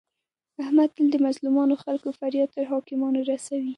احمد تل د مظلمو خلکو فریاد تر حاکمانو رسوي.